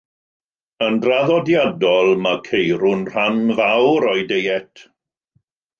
Yn draddodiadol, mae Ceirw'n rhan mawr o'u deiet.